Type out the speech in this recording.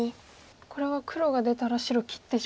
これは黒が出たら白切ってしまうってこと。